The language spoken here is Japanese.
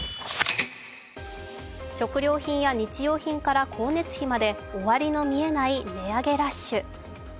食料品や日用品から光熱費まで終わりの見えない値上げラッシュ。